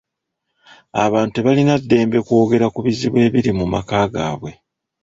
Abantu tebalina ddembe kwogera ku bizibu ebiri mu maka gaabwe.